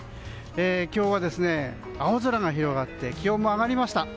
今日は青空が広がって気温も上がりました。